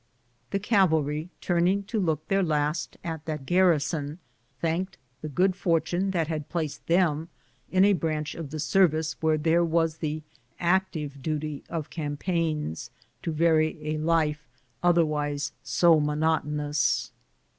The cavalry, turning to look their last at that garrison, thanked the good fortune that had placed them in a branch of the service where there was the active duty of campaigns to vary a life otherwise so monotonous.